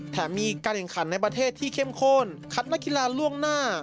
แถมมีการแข่งขันในประเทศที่เข้มข้นคัดนักกีฬาล่วงหน้า